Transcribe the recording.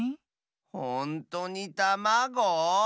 ほんとにたまご？